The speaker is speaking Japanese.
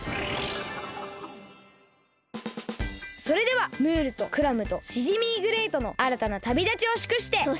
それではムールとクラムとシジミーグレイトのあらたなたびだちをしゅくして！